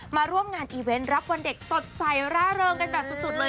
มาร่วมงานอีเวนต์รับวันเด็กสดใสร่าเริงกันแบบสุดเลย